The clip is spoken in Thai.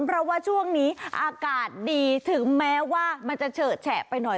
เพราะว่าช่วงนี้อากาศดีถึงแม้ว่ามันจะเฉอะแฉะไปหน่อย